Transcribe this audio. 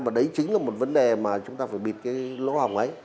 và đấy chính là một vấn đề mà chúng ta phải bịt cái lỗ hỏng ấy